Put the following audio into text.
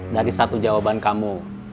dari satu jawaban kamu